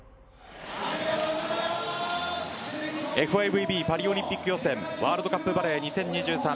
ＦＩＶＢパリオリンピック予選ワールドカップバレー２０２３